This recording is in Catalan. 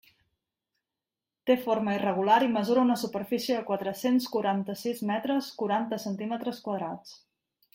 Té forma irregular i mesura una superfície de quatre-cents quaranta-sis metres, quaranta decímetres quadrats.